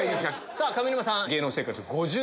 さぁ上沼さん。